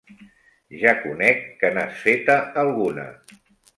Ja conec que n'has feta alguna.